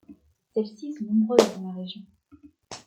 Celles-ci sont nombreuses dans la région.